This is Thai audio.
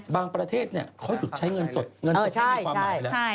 ประเทศเขาหยุดใช้เงินสดเงินสดมีความหมายแล้ว